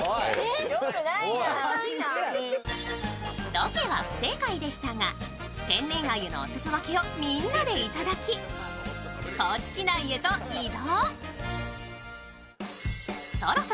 ロケは不正解でしたが、天然鮎のおすそ分けをみんなでいただき、高知市内へと移動。